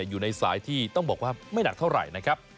อยู่ในสายที่ต้องบอกว่าไม่หนักเท่าไหร่นะครับ